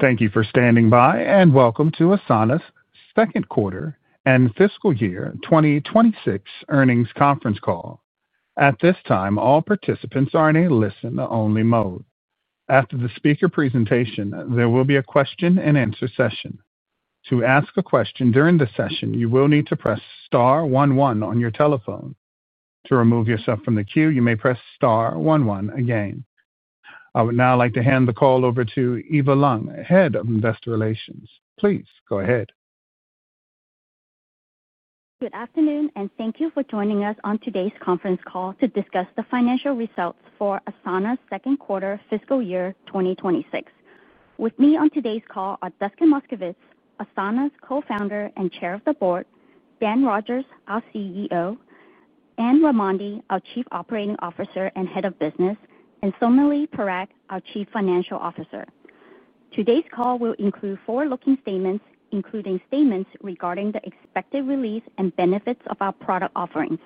Thank you for standing by, and welcome to Asana's Second Quarter and Fiscal Year twenty twenty six Earnings Conference Call. At this time, all participants are in a listen only mode. After the speaker presentation, there will be a question and answer session. I would now like to hand the call over to Eva Long, Head of Investor Relations. Please go ahead. Good afternoon, and thank you for joining us on today's conference call to discuss the financial results for Asana's second quarter fiscal year twenty twenty six. With me on today's call are Duskin Moskowitz, Asana's Co Founder and Chair of the Board Dan Rogers, our CEO Anne Ramande, our Chief Operating Officer and Head of Business and Somali Parag, our Chief Financial Officer. Today's call will include forward looking statements, including statements regarding the expected release and benefits of our product offerings,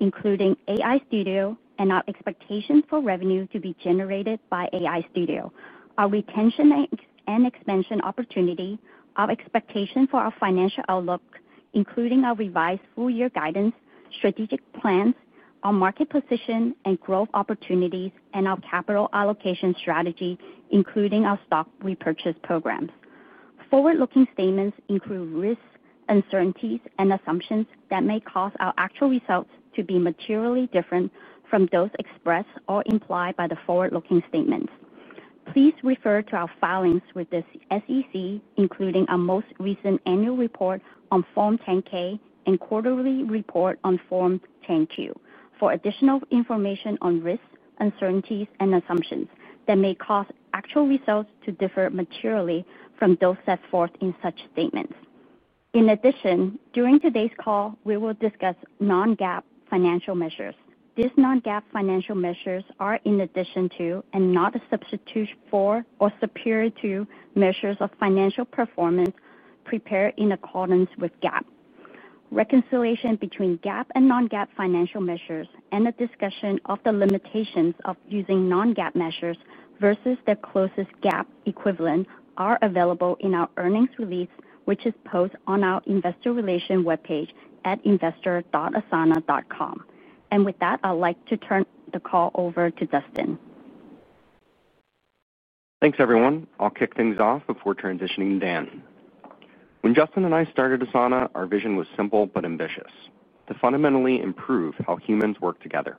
including AI Studio and our expectations for revenue to be generated by AI Studio, our retention and expansion opportunity, our expectation for our financial outlook, including our revised full year guidance, strategic plans, our market position and growth opportunities and our capital allocation strategy, including our stock repurchase program. Forward looking statements include risks, uncertainties and assumptions that may cause our actual results to be materially different from those expressed or implied by the forward looking statements. Please refer to our filings with the SEC, including our most recent annual report on Form 10 ks and quarterly report on Form 10 Q for additional information on risks, uncertainties and assumptions that may cause actual results to differ materially from those set forth in such statements. In addition, during today's call, we will discuss non GAAP financial measures. These non GAAP financial measures are in addition to and not a substitute for or superior to measures of financial performance prepared in accordance with GAAP. Reconciliation between GAAP and non GAAP financial measures and a discussion of the limitations of using non GAAP measures versus the closest GAAP equivalent are available in our earnings release, which is posted on our Investor Relations webpage at investor.asana.com. And with that, I'd like to turn the call over to Dustin. Thanks, everyone. I'll kick things off before transitioning Dan. When Justin and I started Asana, our vision was simple but ambitious, to fundamentally improve how humans work together.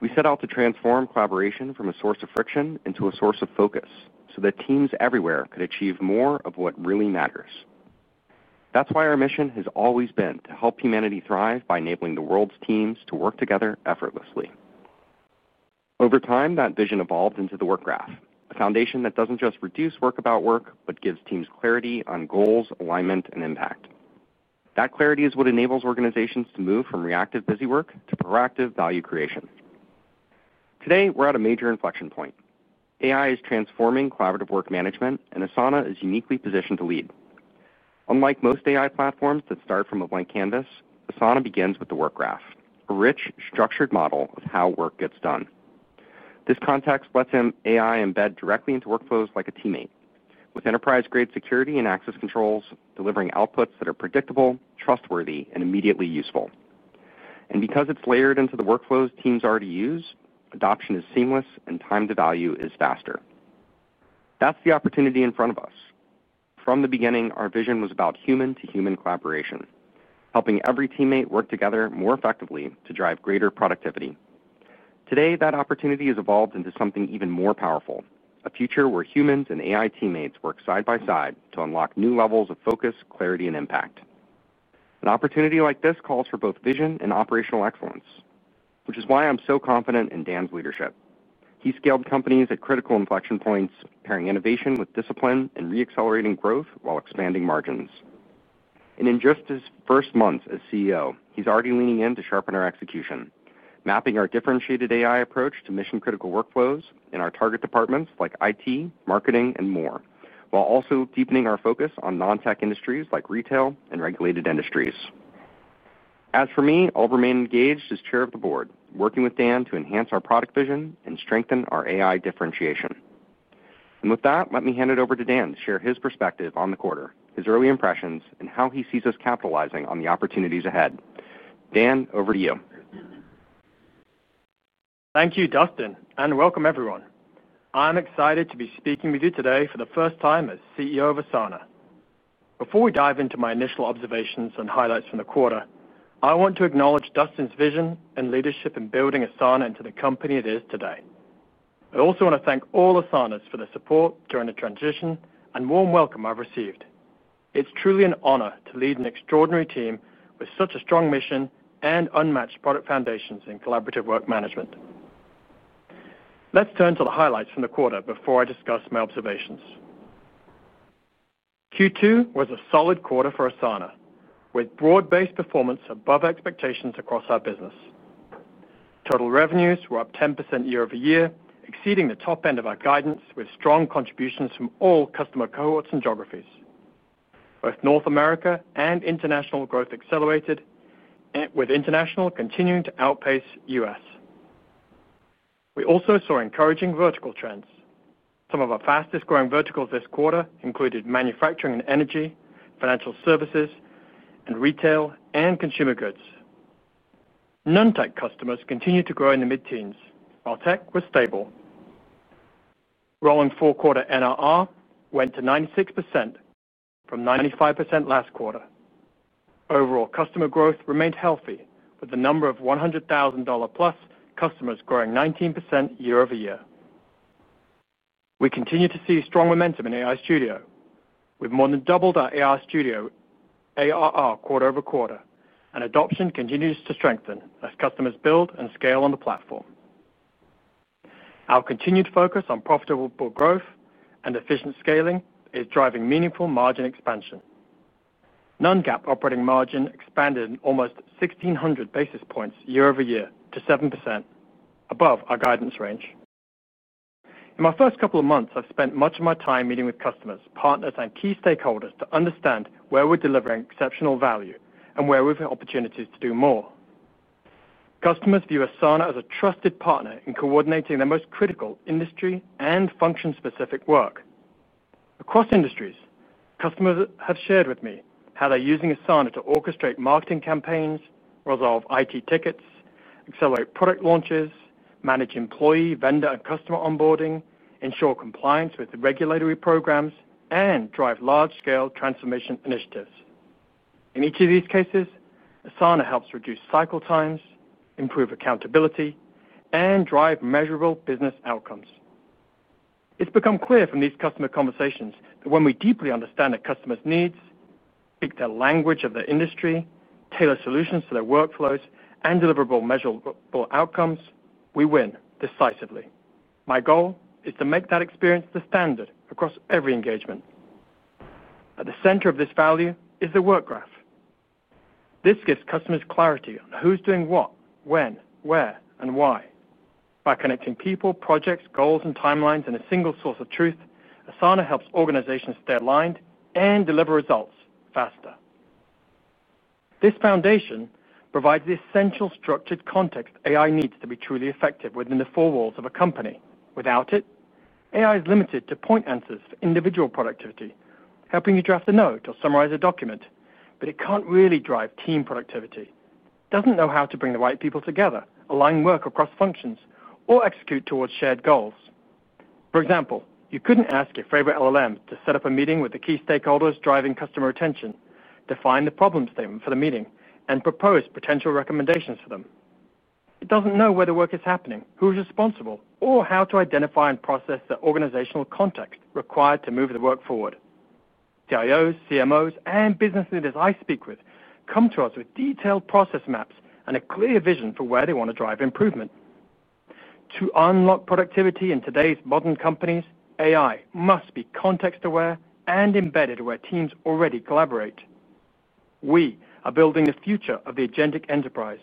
We set out to transform collaboration from a source of friction into a source of focus, so that teams everywhere could achieve more of what really matters. That's why our mission has always been to help humanity thrive by enabling the world's teams to work together effortlessly. Over time, that vision evolved into the WorkRaf, a foundation that doesn't just reduce work about work, but gives teams clarity on goals, alignment and impact. That clarity is what enables organizations to move from reactive busy work to proactive value creation. Today, we're at a major inflection point. AI is transforming collaborative work management and Asana is uniquely positioned to lead. Unlike most AI platforms that start from a blank canvas, Asana begins with the WorkRaf, a rich structured model of how work gets done. This context lets AI embed directly into workflows like a teammate, with enterprise grade security and access controls delivering outputs that are predictable, trustworthy and immediately useful. And because it's layered into the workflows teams already use, adoption is seamless and time to value is faster. That's the opportunity in front of us. From the beginning, our vision was about human to human collaboration, helping every teammate work together more effectively to drive greater productivity. Today, that opportunity has evolved into something even more powerful, a future where humans and AI teammates work side by side to unlock new levels of focus, clarity and impact. An opportunity like this calls for both vision and operational excellence, which is why I'm so confident in Dan's leadership. He scaled companies at critical inflection points, pairing innovation with discipline and reaccelerating growth while expanding margins. And in just his first month as CEO, he's already leaning in to sharpen our execution, mapping our differentiated AI approach to mission critical workflows in our target departments like IT, marketing and more, while also deepening our focus on non tech industries like retail and regulated industries. As for me, I'll remain engaged as Chair of the Board, working with Dan to enhance our product vision and strengthen our AI differentiation. And with that, let me hand it over to Dan to share his perspective on the quarter, his early impressions and how he sees us capitalizing on the opportunities ahead. Dan, over to you. Thank you, Dustin, and welcome, everyone. I'm excited to be speaking with you today for the first time as CEO of Asana. Before we dive into my initial observations and highlights from the quarter, I want to acknowledge Dustin's vision and leadership in building Asana into the company it is today. I also want to thank all Asanas for their support during the transition and warm welcome I've received. It's truly an honor to lead an extraordinary team with such a strong mission and unmatched product foundations and collaborative work management. Let's turn to the highlights from the quarter before I discuss my observations. Q2 was a solid quarter for Asana with broad based performance above expectations across our business. Total revenues were up 10% year over year, exceeding the top end of our guidance with strong contributions from all customer cohorts and geographies. Both North America and international growth accelerated with international continuing to outpace U. S. We also saw encouraging vertical trends. Some of our fastest growing verticals this quarter included manufacturing and energy, financial services and retail and consumer goods. Non tech customers continue to grow in the mid teens, while tech was stable. Rolling fourth quarter NRR went to 96% from 95% last quarter. Overall customer growth remained healthy with the number of $100,000 plus customers growing 19% year over year. We continue to see strong momentum in AI Studio. We've more than doubled our AI Studio ARR quarter over quarter and adoption continues to strengthen as customers build and scale on the platform. Our continued focus on profitable growth and efficient scaling is driving meaningful margin expansion. Non GAAP operating margin expanded almost 1,600 basis points year over year to 7%, above our guidance range. In my first couple of months, I've spent much of my time meeting with customers, partners and key stakeholders to understand where we're delivering exceptional value and where we've got opportunities to do more. Customers view Asana as a trusted in coordinating their most critical industry and function specific work. Across industries, customers have shared with me how they're using Asana to orchestrate marketing campaigns, resolve IT tickets, accelerate product launches, manage employee, vendor and customer onboarding, ensure compliance with the regulatory programs and drive large scale transformation initiatives. In each of these cases, Asana helps reduce cycle times, improve accountability and drive measurable business outcomes. It's become clear from these customer conversations that when we deeply understand the customers' needs, speak the language of the industry, tailor solutions to their workflows and deliverable measurable outcomes, we win decisively. My goal is to make that experience the standard across every engagement. At the center of this value is the WorkGraph. This gives customers clarity on who's doing what, when, where and why. By connecting people, projects, goals and timelines in a single source of truth, Asana helps organizations stay aligned and deliver results faster. This foundation provides the essential structured context AI needs to be truly effective within the four walls of a company. Without it, AI is limited to point answers for individual productivity, helping you draft a note or summarize a document, but it can't really drive team productivity, doesn't know how to bring the right people together, align work across functions or execute towards shared goals. For example, you couldn't ask your favorite LLM to set up a meeting with the key stakeholders driving customer retention, define the problem statement for the meeting and propose potential recommendations for them. It doesn't know where the work is happening, who is responsible or how to identify and process the organizational context required to move the work forward. CIOs, CMOs and businesses that I speak with come to us with detailed process maps and a clear vision for where they want to drive improvement. To unlock productivity in today's modern companies, AI must be context aware and embedded where teams already collaborate. We are building the future of the Agenic enterprise,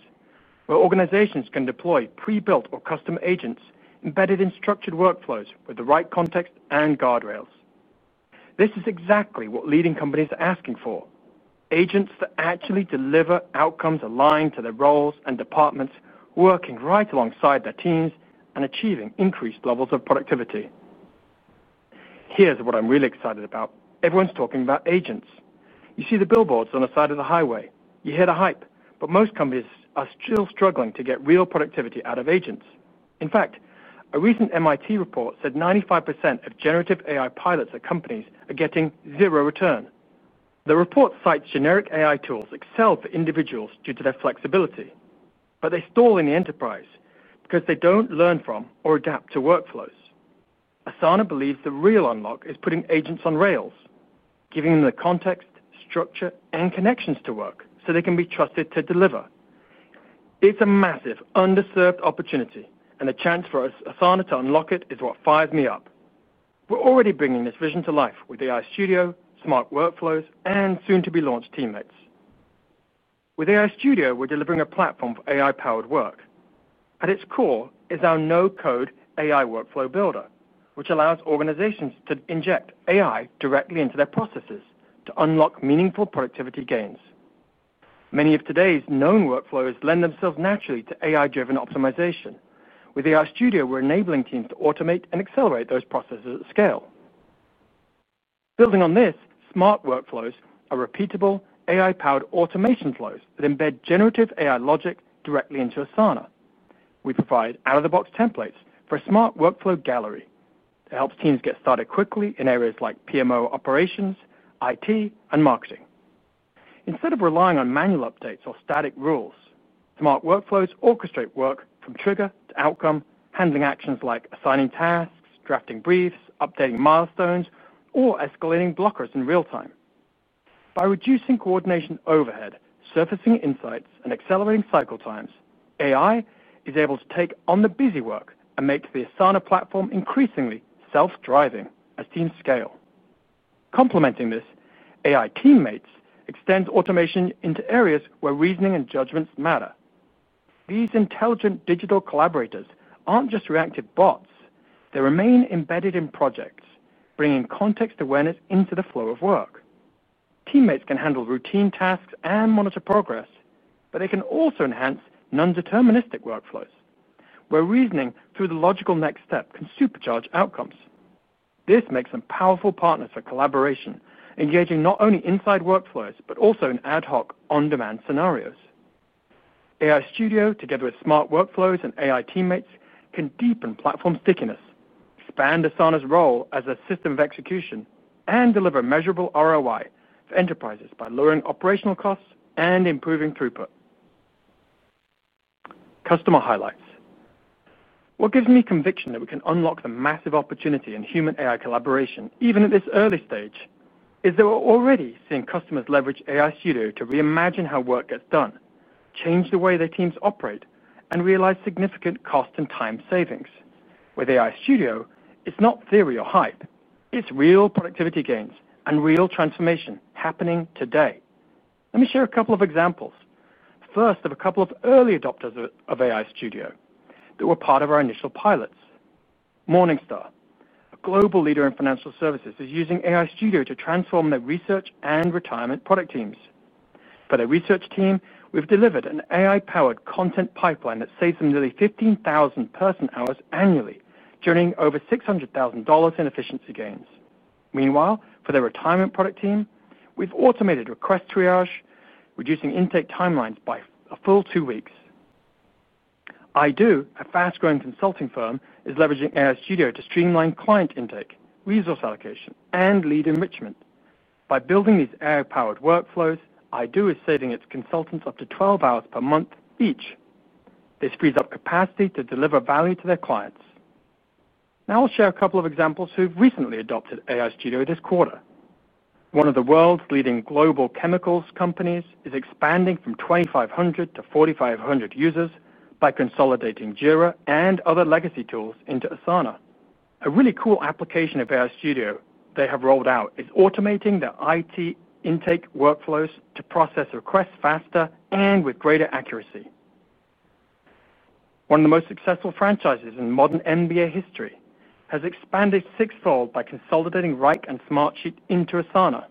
where organizations can deploy prebuilt or custom agents embedded in structured workflows with the right context and guardrails. This is exactly what leading companies are asking for, agents that actually deliver outcomes aligned to their roles and departments working right alongside their teams and achieving increased levels of productivity. Here's what I'm really excited about. Everyone's talking about agents. You see the billboards on the side of the highway, you hear the hype, but most companies are still struggling to get real productivity out of agents. In fact, a recent MIT report said 95% of generative AI pilots at companies are getting zero return. The report cites generic AI tools excel for individuals due to their flexibility, but they stall in the enterprise because they don't learn from or adapt to workflows. Asana believes the real unlock is putting agents on rails, giving them the context, structure and connections to work so they can be trusted to deliver. It's a massive underserved opportunity and a chance for Asana to unlock it is what fired me up. We're already bringing this vision to life with the iStudio, Smart Workflows and soon to be launched teammates. With AI Studio, we're delivering a platform for AI powered work. At its core, it's our no code AI workflow builder, which allows organizations to inject AI directly into their processes to unlock meaningful productivity gains. Many of today's known workflows lend themselves naturally to AI driven optimization. With AR Studio, we're enabling teams to automate and accelerate those processes at scale. Building on this, Smart Workflows are repeatable AI powered automation flows that embed generative AI logic directly into Asana. We provide out of the box templates for Smart Workflow Gallery that helps teams get started quickly in areas like PMO operations, IT and marketing. Instead of relying on manual updates or static rules, smart workflows orchestrate work from trigger to outcome, handling actions like assigning tasks, drafting briefs, updating milestones or escalating blockers in real time. By reducing coordination overhead, surfacing insights and accelerating cycle times, AI is able to take on the busy work and make the Asana platform increasingly self driving as team scale. Complementing this, AI teammates extend automation into areas where reasoning and judgments matter. These intelligent digital collaborators aren't just reactive bots, they remain embedded in projects, bringing context awareness into the flow of work. Teammates can handle routine tasks and monitor progress, but they can also enhance non deterministic workflows, where reasoning through the logical next step can supercharge outcomes. This makes them powerful partners for collaboration, engaging not only inside workflows, but also in ad hoc on demand scenarios. AI Studio together with smart workflows and AI teammates can deepen platform stickiness, expand Asana's role as a system of execution and deliver measurable ROI for enterprises by lowering operational costs and improving throughput. Customer highlights. What gives me conviction that we can unlock the massive opportunity in human AI collaboration even at this early stage is that we're already seeing customers leverage AI Studio to reimagine how work gets done, change the way their teams operate and realize significant cost and time savings. With AI Studio, it's not theory or hype, it's real productivity gains and real transformation happening today. Let me share a couple of examples. First, are a couple of early adopters of AI Studio that were part of our initial pilots. Morningstar, a global leader in financial services is using AI Studio to transform their research and retirement product teams. For their research team, we've delivered an AI powered content pipeline that saves nearly 15,000 person hours annually, during over $600,000 in efficiency gains. Meanwhile, for their retirement product team, we've automated request triage, reducing intake timelines by a full two weeks. IDo, a fast growing consulting firm is leveraging AI Studio to streamline client intake, resource allocation and lead enrichment. By building these AI powered workflows, iDo is saving its consultants up to twelve hours per month each. This frees up capacity to deliver value to their clients. Now I'll share a couple of examples who've recently adopted AI Studio this quarter. One of the world's leading global chemicals companies is expanding from 2,500 to 4,500 users by consolidating Jira and other legacy tools into Asana. A really cool application of AI Studio they have rolled out is automating the IT intake workflows to process requests faster and with greater accuracy. One of the most successful franchises in modern NBA history has expanded sixfold by consolidating Wrike and Smartsheet into Asana.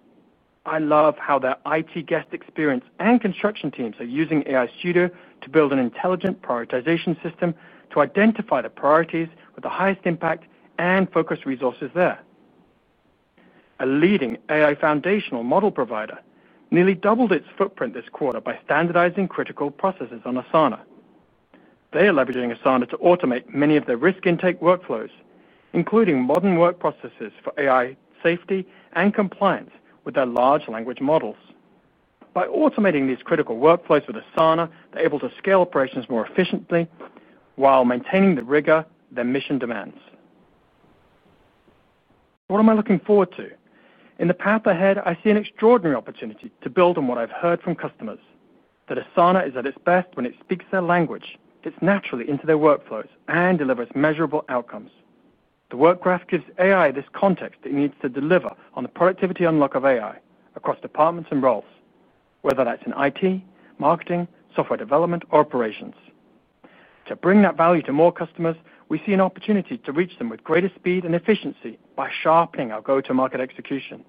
I love how their IT guest experience and construction teams are using AI Studio to build an intelligent prioritization system to identify the priorities with the highest impact and focus resources there. A leading AI foundational model provider nearly doubled its footprint this quarter by standardizing critical processes on Asana. They are leveraging Asana to automate many of their risk intake workflows, including modern work processes for AI safety and compliance with their large language models. By automating these critical workflows with Asana, they're able to scale operations more efficiently while maintaining the rigor their mission demands. What am I looking forward to? In the path ahead, I see an extraordinary opportunity to build on what I've heard from customers that Asana is at its best when it speaks their language, it's naturally into their workflows and delivers measurable outcomes. The WorkGraph gives AI this context that needs to deliver on the productivity unlock of AI across departments and roles, whether that's in IT, marketing, software development or operations. To bring that value to more customers, we see an opportunity to reach them with greater speed and efficiency by sharpening our go to market execution,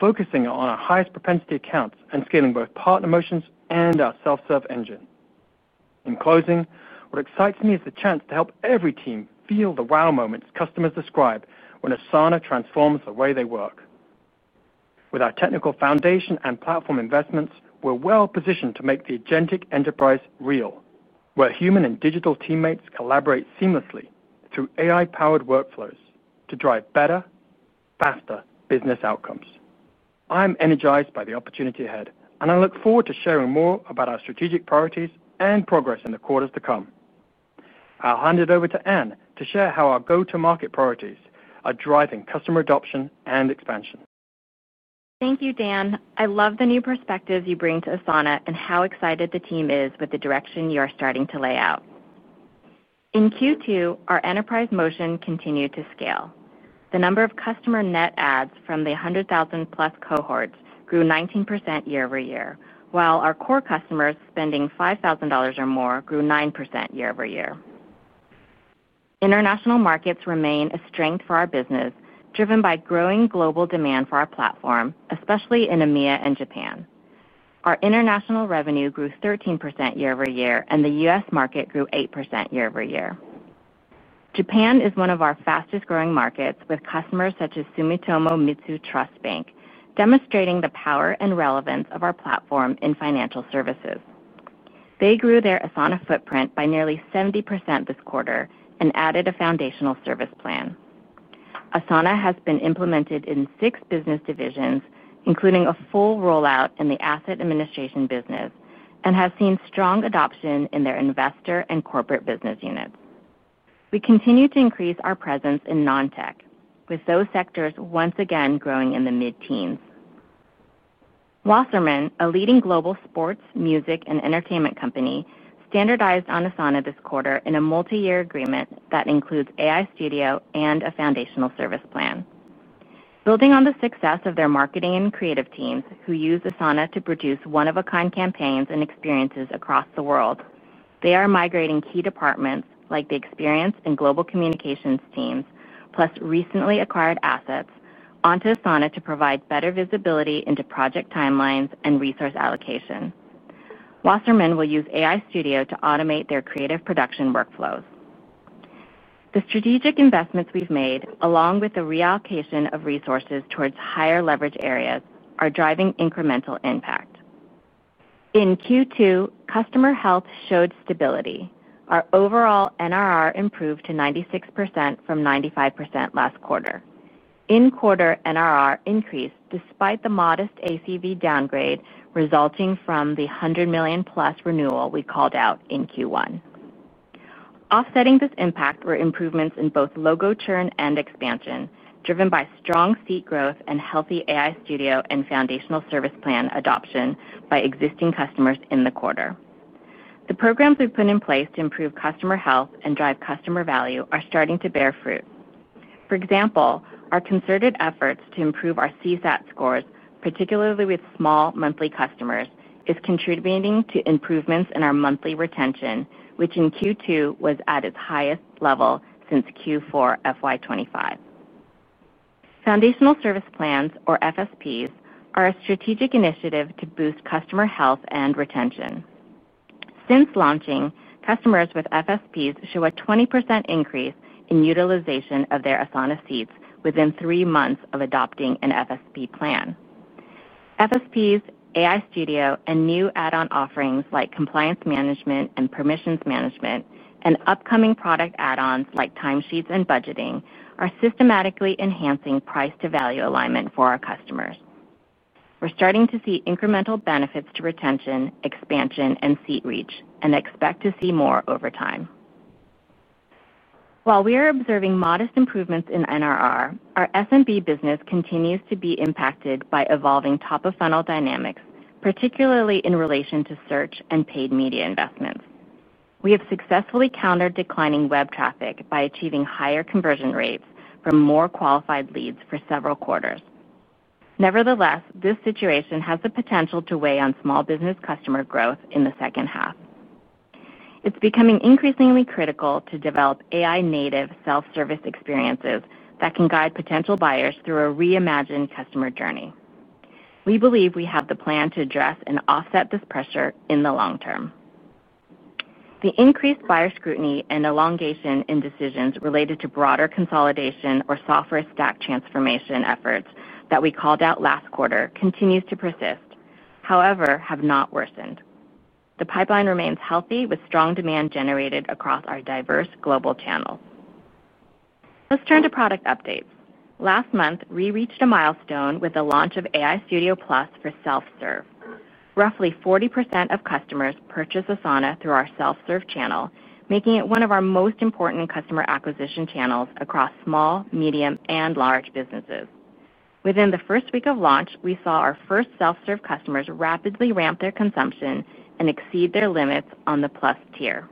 focusing on our highest propensity accounts and scaling both partner motions and our self serve engine. In closing, what excites me is the chance to help every team feel the wow moments customers describe when Asana transforms the way they work. With our technical foundation and platform investments, we're well positioned to make the AgenTic enterprise real, where human and digital teammates collaborate seamlessly through AI powered workflows to drive better, faster business outcomes. I'm energized by the opportunity ahead and I look forward to sharing more about our strategic priorities and progress in the quarters to come. I'll hand it over to Anne to share how our go to market priorities are driving customer adoption and expansion. Thank you, Dan. I love the new perspectives you bring to Asana and how excited the team is with the direction you are starting to lay out. In Q2, our Enterprise Motion continued to scale. The number of customer net adds from the 100,000 plus cohorts grew 19% year over year, while our core customers spending $5,000 or more grew 9% year over year. International markets remain a strength for our business, driven by growing global demand for our platform, especially in EMEA and Japan. Our international revenue grew 13% year over year and The U. S. Market grew 8% year over year. Japan is one of our fastest growing markets with customers such as Sumitomo Mitsu Trust Bank, demonstrating the power and relevance of our platform in financial services. They grew their Asana footprint by nearly 70% this quarter and added a foundational service plan. Asana has been implemented in six business divisions, including a full rollout in the asset administration business and have seen strong adoption in their investor and corporate business units. We continue to increase our presence in non tech with those sectors once again growing in the mid teens. Wasserman, a leading global sports, music and entertainment company standardized on Asana this quarter in a multiyear agreement that includes AI Studio and a foundational service plan. Building on the success of their marketing and creative teams who use Asana to produce one of a kind campaigns and experiences across the world, they are migrating key departments like the experience and global communications teams plus recently acquired assets onto Asana to provide better visibility into project time lines and resource allocation. Wassermann will use AI Studio to automate their creative production workflows. The strategic investments we've made, along with the reallocation of resources toward higher leverage areas are driving incremental impact. In Q2, customer health showed stability. Our overall NRR improved to 96% from 95% last quarter. In quarter NRR increased despite the modest ACV downgrade resulting from the $100,000,000 plus renewal we called out in Q1. Offsetting this impact were improvements in both logo churn and expansion, driven by strong seat growth and healthy AI Studio and foundational service plan adoption by existing customers in the quarter. The programs we've put in place to improve customer health and drive customer value are starting to bear fruit. For example, our concerted efforts to improve our CSAT scores, particularly with small monthly customers, is contributing to improvements in our monthly retention, which in Q2 was at its highest level since Q4 FY twenty twenty five. Foundational Service Plans or FSPs are a strategic initiative to boost customer health and retention. Since launching, customers with FSPs show a 20% increase in utilization of their Asana seats within three months of adopting an FSP plan. FSPs, AI Studio and new add on offerings like compliance management and permissions management and upcoming product add ons like time sheets and budgeting are systematically enhancing price to value alignment for our customers. We're starting to see incremental benefits to retention, expansion and seat reach and expect to see more over time. While we are observing modest improvements in NRR, our SMB business continues to be impacted by evolving top of funnel dynamics, particularly in relation to search and paid media investments. We have successfully countered declining web traffic by achieving higher conversion rates from more qualified leads for several quarters. Nevertheless, this situation has the potential to weigh on small business customer growth in the second half. It's becoming increasingly critical to develop AI native self-service experiences that can guide potential buyers through a reimagined customer journey. We believe we have the plan to address and offset this pressure in the long term. The increased buyer scrutiny and elongation in decisions related to broader consolidation or software stack transformation efforts that we called out last quarter continues to persist, however, not worsened. The pipeline remains healthy with strong demand generated across our diverse global channels. Let's turn to product updates. Last month, we reached a milestone with the launch of AI Studio plus for self serve. Roughly 40% of customers purchase Asana through our self serve channel, making it one of our most important customer acquisition channels across small, medium and large businesses. Within the first week of launch, we saw our first self serve customers rapidly ramp their consumption and exceed their limits on the plus tier.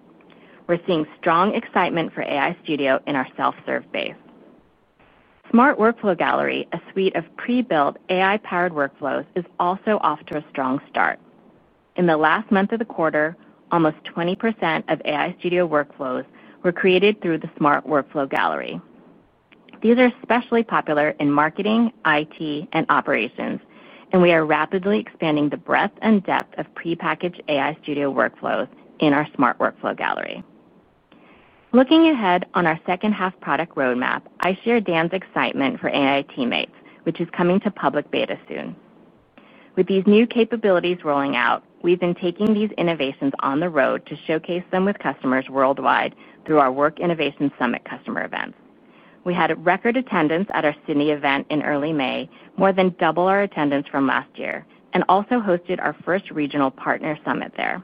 We're seeing strong excitement for AI Studio in our self serve base. Smart Workflow Gallery, a suite of pre built AI powered workflows, is also off to a strong start. In the last month of the quarter, almost 20% of AI Studio workflows were created through the Smart Workflow Gallery. These are especially popular in marketing, IT and operations, and we are rapidly expanding the breadth and depth of prepackaged AI Studio workflows in our Smart Workflow gallery. Looking ahead on our second half product road map, I share Dan's excitement for AI teammates, which is coming to public beta soon. With these new capabilities rolling out, we've been taking these innovations on the road to showcase them with customers worldwide through our Work Innovation Summit customer events. We had record attendance at our Sydney event in early May, more than double our attendance from last year, and also hosted our first regional partner summit there.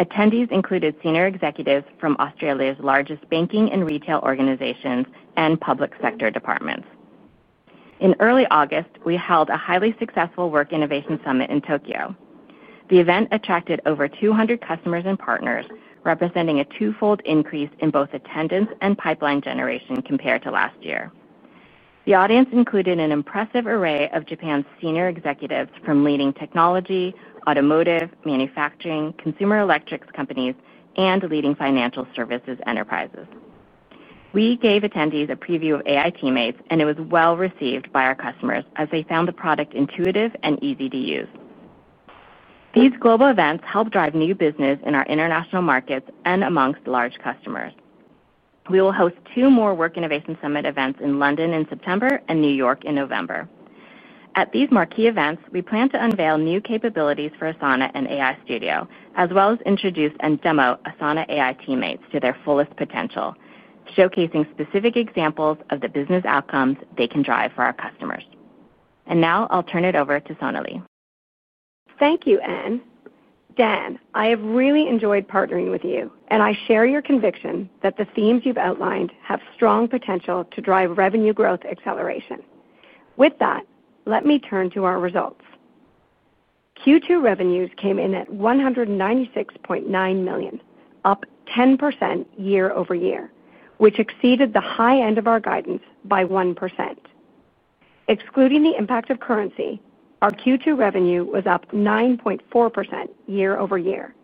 Attendees included senior executives from Australia's largest banking and retail organizations and public sector departments. In early August, we held a highly successful Work Innovation Summit Tokyo. The event attracted over 200 customers and partners, representing a twofold increase in both attendance and pipeline generation compared to last year. The audience included an impressive array of Japan's senior executives from leading technology, automotive, manufacturing, consumer electrics companies and leading financial services enterprises. We gave attendees a preview of AI teammates, and it was well received by our customers as they found the product intuitive and easy to use. These global events help drive new business in our international markets and amongst large customers. We will host two more Work Innovation Summit events in London in September and New York in November. At these marquee events, we plan to unveil new capabilities for Asana and AI Studio as well as introduce and demo Asana AI teammates to their fullest potential, showcasing specific examples of the business outcomes they can drive for our customers. And now I'll turn it over to Sonali. Thank you, Anne. Dan, I have really enjoyed partnering with you and I share your conviction that the themes you've outlined have strong potential to drive revenue growth acceleration. With that, let me turn to our results. Q2 revenues came in at $196,900,000 up 10% year over year, which exceeded the high end of our guidance by 1%. Excluding the impact of currency, our Q2 revenue was up 9.4% year over year,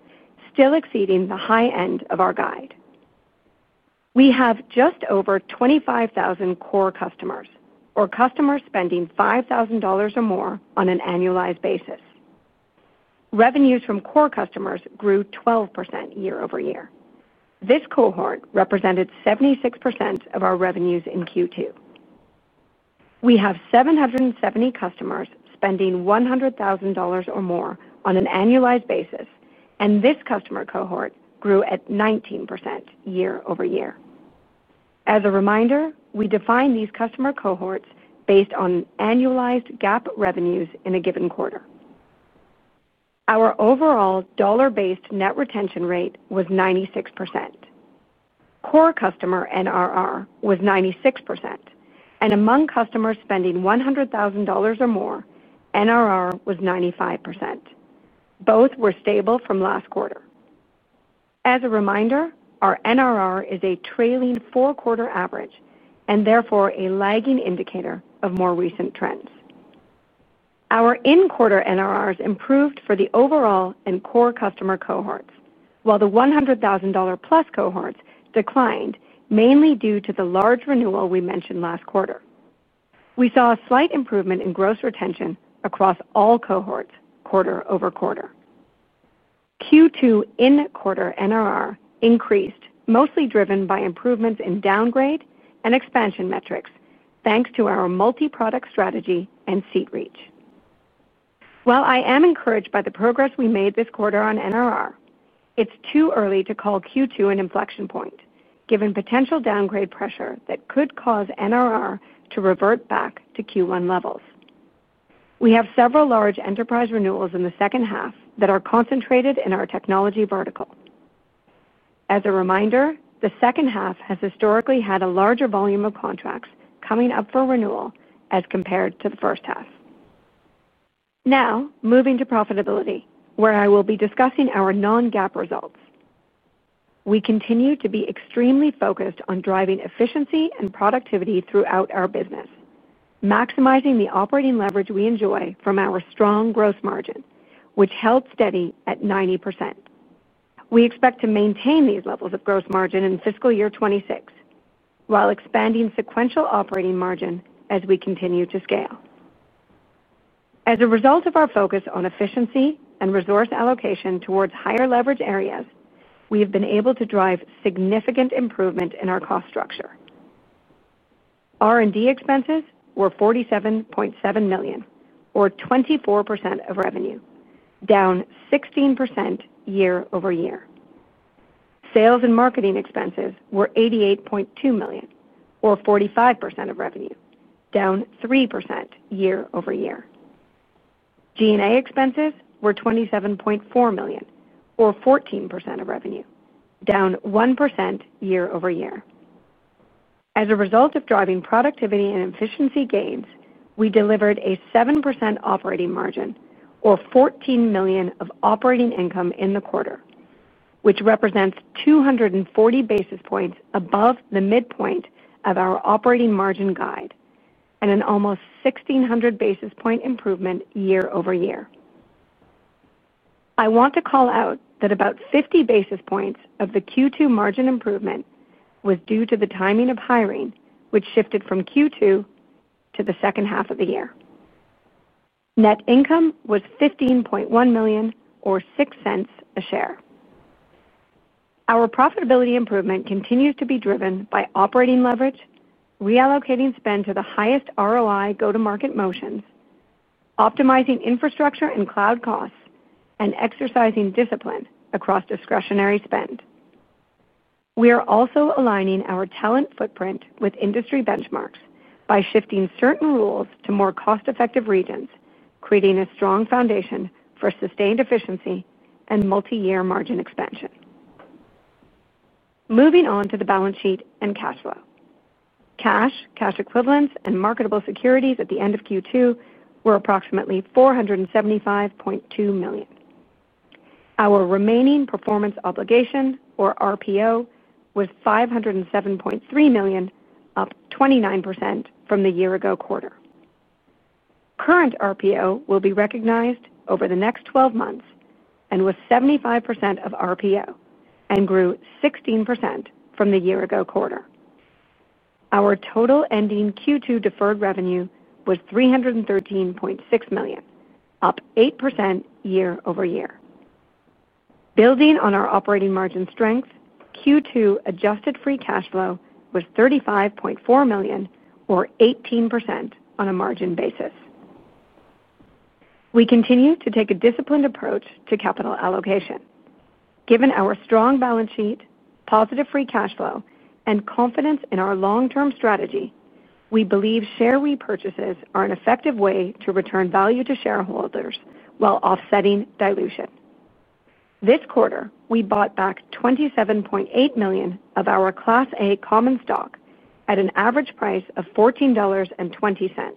still exceeding the high end of our guide. We have just over 25,000 core customers or customers spending $5,000 or more on an annualized basis. Revenues from core customers grew 12% year over year. This cohort represented 76% of our revenues in Q2. We have seven seventy customers spending $100,000 or more on an annualized basis, and this customer cohort grew at 19% year over year. As a reminder, we define these customer cohorts based on annualized GAAP revenues in a given quarter. Our overall dollar based net retention rate was 96%. Core customer NRR was 96%. And among customers spending $100,000 or more NRR was 95%. Both were stable from last quarter. As a reminder, our NRR is a trailing four quarter average and therefore a lagging indicator of more recent trends. Our in quarter NRRs improved for the overall and core customer cohorts, while the $100,000 plus cohorts declined mainly due to the large renewal we mentioned last quarter. We saw a slight improvement in gross retention across all cohorts quarter over quarter. Q2 in quarter NRR increased mostly driven by improvements in downgrade and expansion metrics, thanks to our multi product strategy and seat reach. While I am encouraged by the progress we made this quarter on NRR, it's too early to call Q2 an inflection point, given potential downgrade pressure that could cause NRR to revert back to Q1 levels. We have several large enterprise renewals in the second half that are concentrated in our technology vertical. As a reminder, the second half has historically had a larger volume of contracts coming up for renewal as compared to the first half. Now moving to profitability, where I will be discussing our non GAAP results. We continue to be extremely focused on driving efficiency and productivity throughout our business, maximizing the operating leverage we enjoy from our strong gross margin, which held steady at 90%. We expect to maintain these levels of gross margin in fiscal year twenty twenty six, while expanding sequential operating margin as we continue to scale. As a result of our focus on efficiency and resource allocation towards higher leverage areas, we have been able to drive significant improvement in our cost structure. R and D expenses were $47,700,000 or 24% of revenue, down 16% year over year. Sales and marketing expenses were $88,200,000 or 45% of revenue, down 3% year over year. G and A expenses were 27,400,000 or 14% of revenue, down 1% year over year. As a result of driving productivity and efficiency gains, we delivered a 7% operating margin or $14,000,000 of operating income in the quarter, which represents two forty basis points above the midpoint of our operating margin guide and an almost 1,600 basis point improvement year over year. I want to call out that about 50 basis points of the Q2 margin improvement was due to the timing of hiring, which shifted from Q2 to the second half of the year. Net income was $15,100,000 or $06 a share. Our profitability improvement continues to be driven by operating leverage, reallocating spend to the highest ROI go to market motions, optimizing infrastructure and cloud costs and exercising discipline across discretionary spend. We are also aligning our talent footprint with industry benchmarks by shifting certain rules to more cost effective regions, creating a strong foundation for sustained efficiency and multi year margin expansion. Moving on to the balance sheet and cash flow. Cash, cash equivalents and marketable securities at the end of Q2 were approximately $475,200,000 Our remaining performance obligation or RPO was $507,300,000 up 29% from the year ago quarter. Current RPO will be recognized over the next twelve months and was 75% of RPO and grew 16 from the year ago quarter. Our total ending Q2 deferred revenue was $313,600,000 up 8% year over year. Building on our operating margin strength, Q2 adjusted free cash flow was $35,400,000 or 18% on a margin basis. We continue to take a disciplined approach to capital allocation. Given our strong balance sheet, positive free cash flow and confidence in our long term strategy, we believe share repurchases are an effective way to return value to shareholders while offsetting dilution. This quarter, we bought back 27,800,000 of our Class A common stock at an average price of $14.2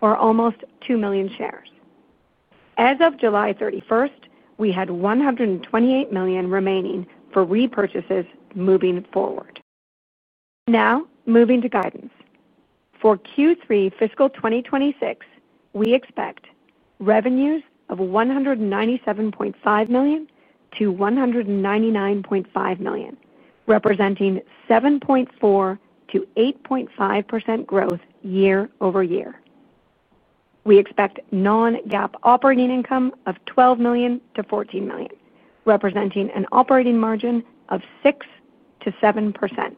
or almost 2,000,000 shares. As of July 31, we had $128,000,000 remaining for repurchases moving forward. Now moving to guidance. For Q3 fiscal twenty twenty six, we expect revenues of $197,500,000 to $199,500,000 representing 7.4% to 8.5% growth year over year. We expect non GAAP operating income of $12,000,000 to 14,000,000 representing an operating margin of six to 7%.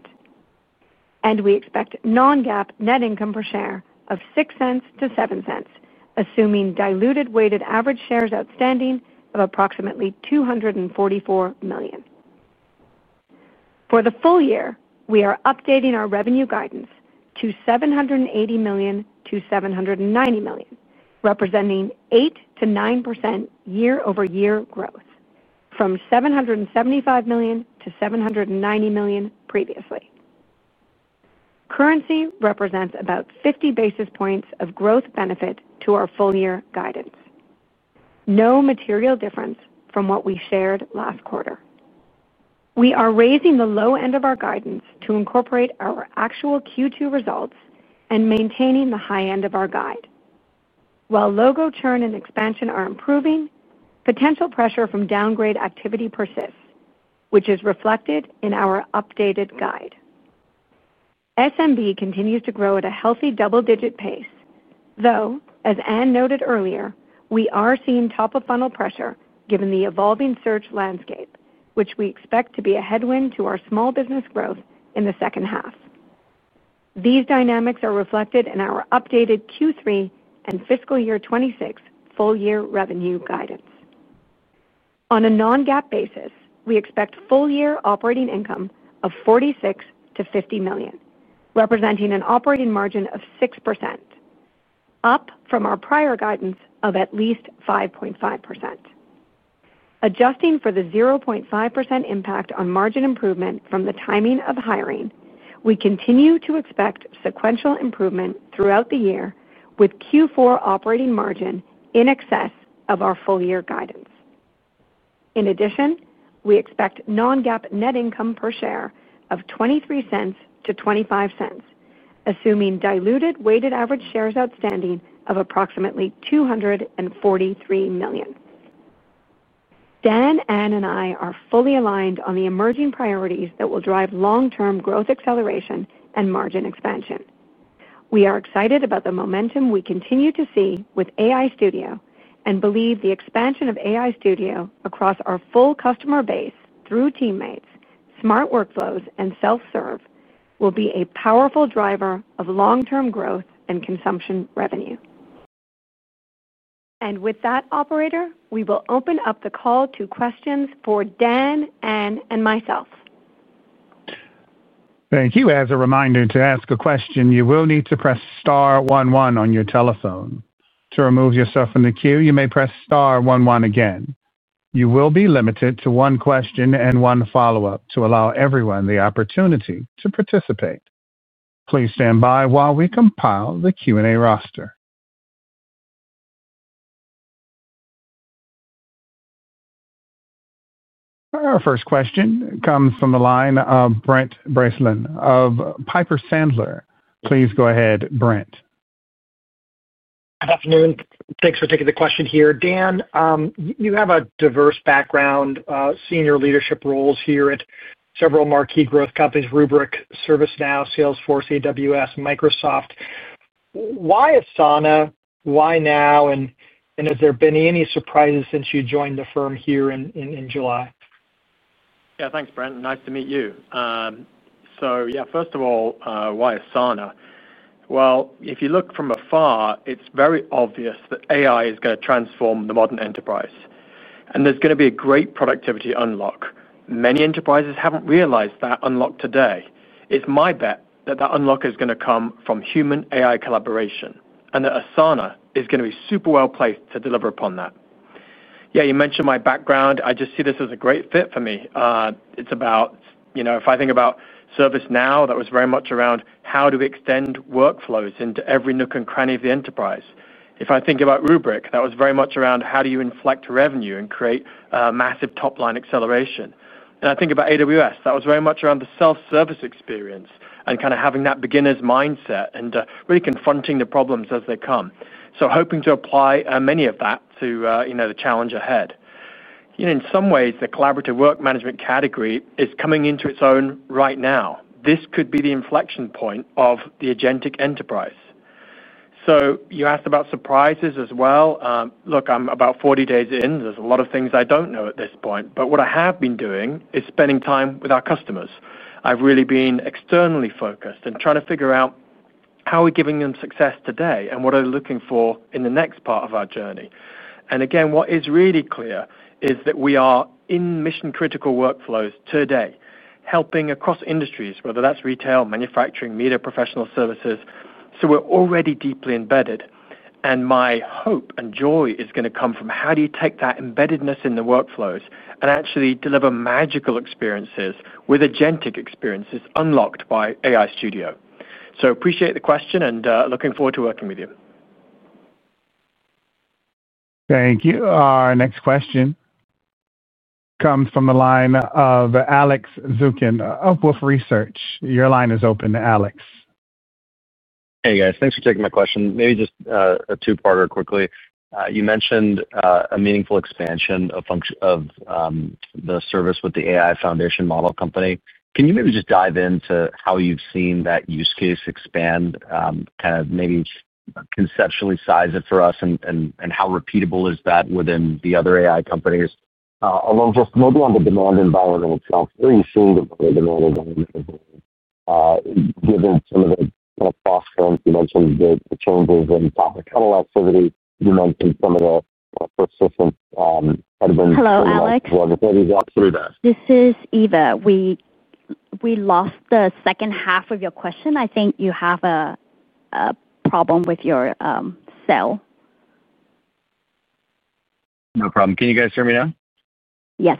And we expect non GAAP net income per share of $06 to $07 assuming diluted weighted average shares outstanding of approximately $244,000,000. For the full year, we are updating our revenue guidance to $780,000,000 to $790,000,000 representing 8% to 9% year over year growth from $775,000,000 to $790,000,000 previously. Currency represents about 50 basis points of growth benefit to our full year guidance. No material difference from what we shared last quarter. We are raising the low end of our guidance to incorporate our actual Q2 results and maintaining the high end of our guide. While logo churn and expansion are improving, potential pressure from downgrade activity persists, which is reflected in our updated guide. SMB continues to grow at a healthy double digit pace. Though, as Ann noted earlier, we are seeing top of funnel pressure given the evolving search landscape, which we expect to be a headwind to our small business growth in the second half. These dynamics are reflected in our updated Q3 and fiscal year twenty twenty six full year revenue guidance. On a non GAAP basis, we expect full year operating income of 46,000,000 to $50,000,000 representing an operating margin of 6%, up from our prior guidance of at least 5.5%. Adjusting for the 0.5% impact on margin improvement from the timing of hiring, we continue to expect sequential improvement throughout the year with Q4 operating margin in excess of our full year guidance. In addition, we expect non GAAP net income per share of 0.23 to $0.25 assuming diluted weighted average shares outstanding of approximately $243,000,000. Dan, Anne and I are fully aligned on the emerging priorities that will drive long term growth acceleration and margin expansion. We are excited about the momentum we continue to see with AI Studio and believe the expansion of AI Studio across our full customer base through teammates, smart workflows and self serve will be a powerful driver of long term growth and consumption revenue. And with that, operator, we will open up the call to questions for Dan, Anne and myself. Thank Our first question comes from the line of Brent Bracelin of Piper Sandler. Please go ahead, Brent. Good afternoon. Thanks for taking the question here. Dan, you have a diverse background, senior leadership roles here at several marquee growth companies Rubrik, ServiceNow, Salesforce, AWS, Microsoft. Why Asana? Why now? And has there been any surprises since you joined the firm here in July? Yes. Thanks, Brent. Nice to meet you. So yes, first of all, why Asana? Well, if you look from afar, it's very obvious that AI is going to transform the modern enterprise. And there's going to be a great productivity unlock. Many enterprises haven't realized that unlock today. It's my bet that, that unlock is going to come from human AI collaboration and that Asana is going to be super well placed to deliver upon that. Yes, you mentioned my background. I just see this as a great fit for me. It's about if I think about ServiceNow, that was very much around how do we extend workflows into every nook and cranny of the enterprise. If I think about Rubrik, that was very much around how do you inflect revenue and create massive top line acceleration. And I think about AWS, that was very much around the self-service experience and kind of having that beginner's mindset and really confronting the problems as they come. So hoping to apply many of that to the challenge ahead. In some ways, the collaborative work management category is coming into its own right now. This could be the inflection point of the AgenTic enterprise. So you asked about surprises as well. Look, I'm about forty days in. There's a lot of things I don't know at this point. But what I have been doing is spending time with our customers. I've really been externally focused and trying to figure out how we're giving them success today and what are they looking for in the next part of our journey. And again, what is really clear is that we are in mission critical workflows today helping across industries, whether that's retail, manufacturing, media, professional services. So we're already deeply embedded. And my hope and joy is going to come from how do you take that embeddedness in the workflows and actually deliver magical experiences with agentic experiences unlocked by AI Studio. So appreciate the question and looking forward to working with you. Thank you. Our next question comes from the line of Alex Zukin of Wolfe Research. Your line is open, Alex. Hey, guys. Thanks for taking my question. Maybe just a two parter quickly. You mentioned a meaningful expansion of the service with the AI Foundation Model Company. Can you maybe just dive into how you've seen that use case expand, kind of maybe conceptually size it for us and how repeatable is that within the other AI companies? Along just maybe on the demand environment, given some of the cost trends you mentioned the changes in top of the funnel activity, you mentioned some of the persistence. This is Eva. We lost the second half of your question. I think you have a problem with your cell. No problem. Can you guys hear me now? Yes.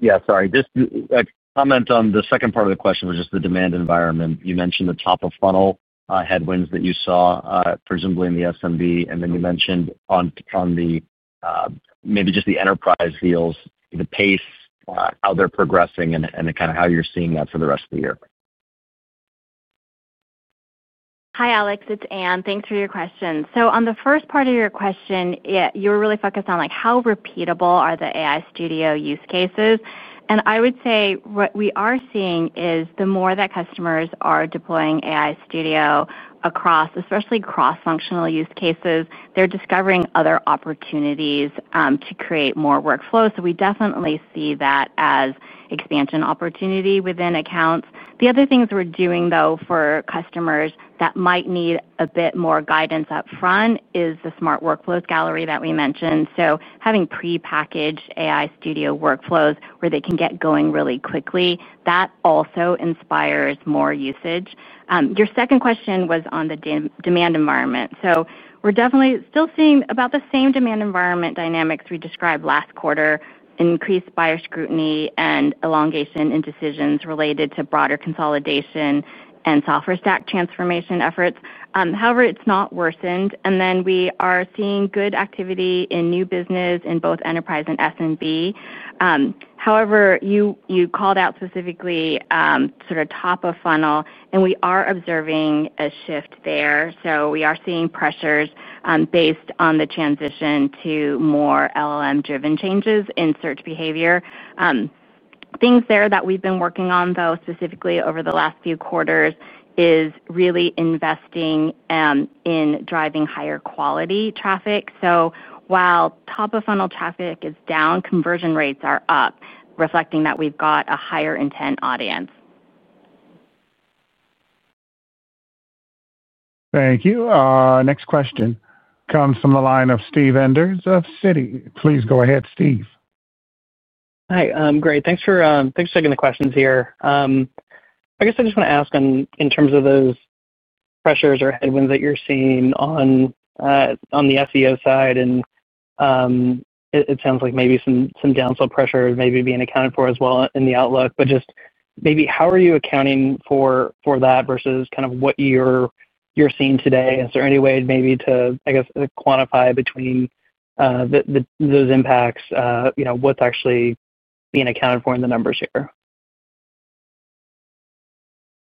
Yes, sorry. Just a comment on the second part of the question was just the demand environment. You mentioned the top of funnel headwinds that you saw, presumably in the SMB. And then you mentioned on the maybe just the enterprise deals, the pace, how they're progressing and kind of how you're seeing that for the rest of the year? Alex, it's Ann. Thanks for your question. So on the first part of your question, you're really focused on like how repeatable are the AI Studio use cases. And I would say what we are seeing is the more that customers are deploying AI Studio across especially cross functional use cases, they're discovering other opportunities to create more workflow. So we definitely see that as expansion opportunity within accounts. The other things we're doing though for customers that might need a bit more guidance up front is the Smart Workflows gallery that we mentioned. So having prepackaged AI Studio workflows where they can get going really quickly, that also inspires more usage. Your second question was on the demand environment. So we're definitely still seeing about the same demand environment dynamics we described last quarter, increased buyer scrutiny and elongation in decisions related to broader consolidation and software stack transformation efforts. However, it's not worsened. And then we are seeing good activity in new business in both enterprise and SMB. However, you called out specifically sort of top of funnel, and we are observing a shift there. So we are seeing pressures based on the transition to more LLM driven changes in search behavior. Things there that we've been working on though specifically over the last few quarters is really investing in driving higher quality traffic. So while top of funnel traffic is down, conversion rates are up reflecting that we've got a higher intent audience. Thank you. Our next question comes from the line of Steve Enders of Citi. Please go ahead, Steve. Hi, great. Thanks for taking the questions here. I guess I just want to ask in terms of those pressures or headwinds that you're seeing on the SEO side. And it sounds like maybe some downfall pressure is maybe being accounted for as well in the outlook. But just maybe how are you accounting for that versus kind of what you're seeing today? Is there any way maybe to, I guess, quantify between those impacts, what's actually being accounted for in the numbers here?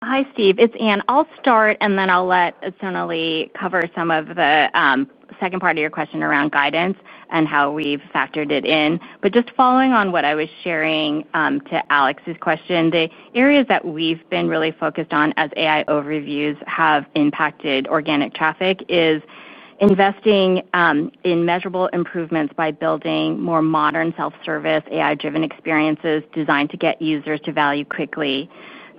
Hi, Steve. It's Ann. I'll start and then I'll let Sonali cover some of the second part of your question around guidance and how we've factored it in. But just following on what I was sharing to Alex's question, the areas that we've been really focused on as AI overviews have impacted organic traffic is investing in measurable improvements by building more modern self-service AI driven experiences designed to get users to value quickly.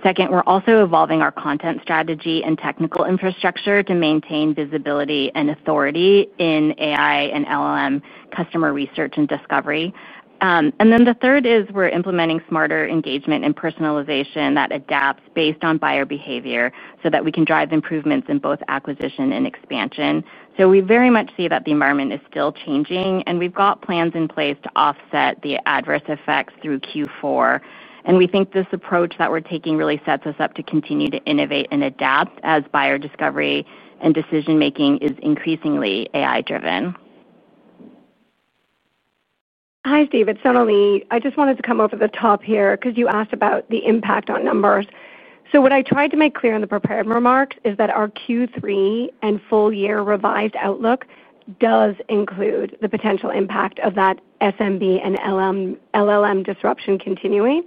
Second, we're also evolving our content strategy and technical infrastructure to maintain visibility and authority in AI and LLM customer research and discovery. And then the third is we're implementing smarter engagement and personalization that adapts based on buyer behavior so that we can drive improvements in both acquisition and expansion. So we very much see that the environment is still changing and we've got plans in place to offset the adverse effects through Q4. And we think this approach that we're taking really sets us up to continue to innovate and adapt as buyer discovery and decision making is increasingly AI driven. Steve, it's Sonali. I just wanted to come over the top here because you asked about the impact on numbers. So what I tried to make clear in the prepared remarks is that our Q3 and full year revised outlook does include the potential impact of that SMB and LLM disruption continuing.